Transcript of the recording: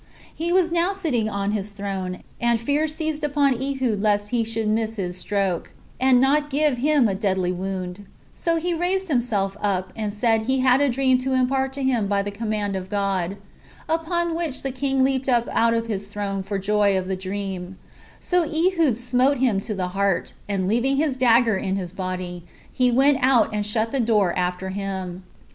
He was now sitting on his throne; and fear seized upon Ehud lest he should miss his stroke, and not give him a deadly wound; so he raised himself up, and said he had a dream to impart to him by the command of God; upon which the king leaped out of his throne for joy of the dream; so Ehud smote him to the heart, and leaving his dagger in his body, he went out and shut the door after him.